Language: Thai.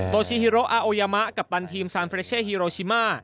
ชิฮิโรอาโอยามะกัปตันทีมซานเฟรเช่ฮีโรชิมา